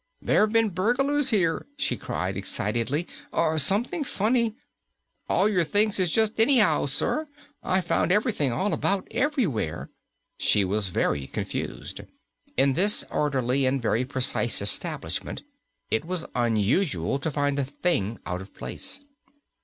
"There've been burglars here," she cried excitedly, "or something funny! All your things is just any'ow, sir. I found everything all about everywhere!" She was very confused. In this orderly and very precise establishment it was unusual to find a thing out of place.